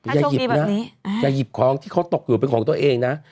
อย่าหยิบนะอย่าหยิบของที่เขาตกอยู่เป็นของตัวเองนะ